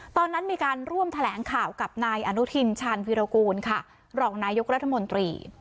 ตอนนั้นมีการร่วมแถลงข่าวกับนายอนุทินชาญวิรากูลค่ะรองนายกรัฐมนตรี